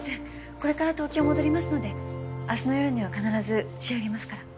これから東京戻りますので明日の夜には必ず仕上げますから。